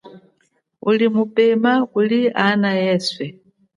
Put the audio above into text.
Uli mupema kuhiana eswe.